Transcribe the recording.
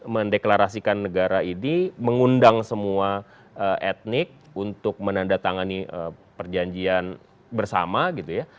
mendeklarasikan negara ini mengundang semua etnik untuk menandatangani perjanjian bersama gitu ya